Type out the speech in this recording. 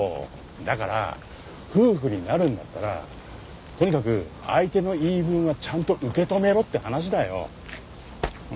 だから夫婦になるんだったらとにかく相手の言い分はちゃんと受け止めろって話だよ。